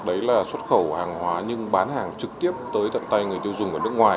đấy là xuất khẩu hàng hóa nhưng bán hàng trực tiếp tới tận tay người tiêu dùng ở nước ngoài